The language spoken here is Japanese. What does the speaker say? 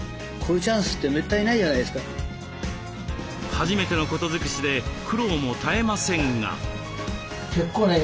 初めてのことづくしで苦労も絶えませんが。